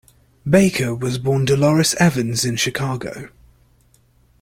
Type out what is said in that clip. Baker was born Delores Evans in Chicago.